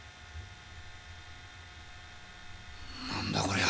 何だこりゃ！？